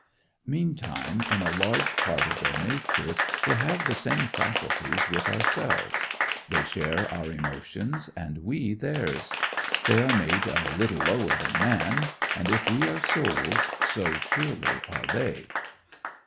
Meantime, in a large part of their nature, they have the same faculties with ourselves. They share our emotions, and we theirs. They are made "a little lower" than man, and if we are souls, so surely are they.